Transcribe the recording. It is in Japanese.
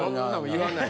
言わない。